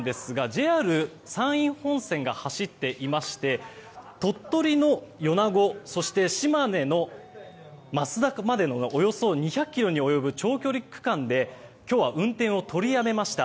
ＪＲ山陰本線が走っていまして鳥取の米子そして島根の益田までのおよそ２００ｋｍに及ぶ長距離区間で今日は運転を取りやめました。